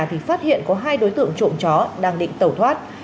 thì phát hiện có hai đối tượng trộm chó đang định tẩu thoát